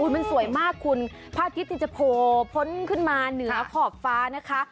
มันสวยมากคุณพระอาทิตย์ที่จะโผล่พ้นขึ้นมาเหนือขอบฟ้านะคะ